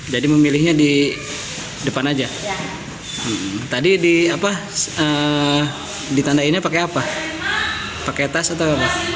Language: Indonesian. jadi memilihnya di depan aja tadi di apa ditandainya pakai apa pakai tas atau